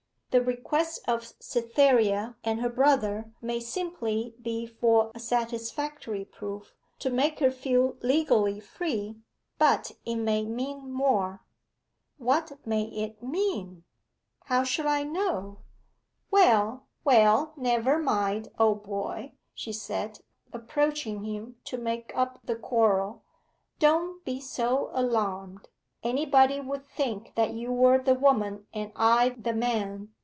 'The request of Cytherea and her brother may simply be for a satisfactory proof, to make her feel legally free but it may mean more.' 'What may it mean?' 'How should I know?' 'Well, well, never mind, old boy,' she said, approaching him to make up the quarrel. 'Don't be so alarmed anybody would think that you were the woman and I the man.